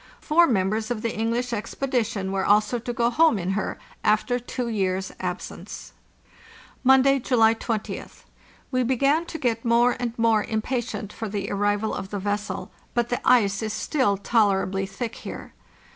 Four members of the English expedition were also to go home in her, after two years' absence. "Monday, July 20th. We begin to get more and more impatient for the arrival of the vessel, but the ice is still tolerably thick here.